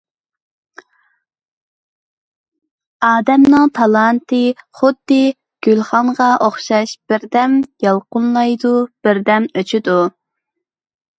ئادەمنىڭ تالانتى خۇددى گۈلخانغا ئوخشاش بىردەم يالقۇنلايدۇ، بىردەم ئۆچىدۇ.